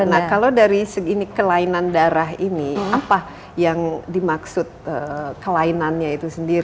nah kalau dari segi kelainan darah ini apa yang dimaksud kelainannya itu sendiri